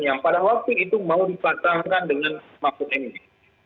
yang pada waktu itu mau dipatangkan dengan mahfud enzi